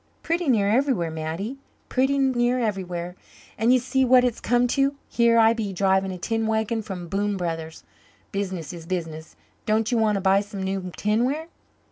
"Pretty near everywhere, Mattie pretty near everywhere. And ye see what it's come to here I be driving a tin wagon for Boone Brothers. Business is business don't you want to buy some new tinware?"